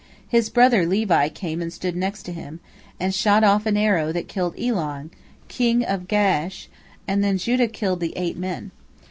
His brother Levi came and stood next to him, and shot off an arrow that killed Elon, king of Gaash, and then Judah killed the eight men.